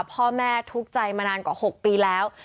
พ่อแม่ทุกข์ใจมานานกว่า๖ปีแล้ว